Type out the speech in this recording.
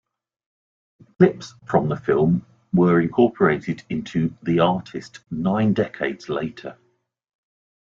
Clips from the film were incorporated into "The Artist" nine decades later.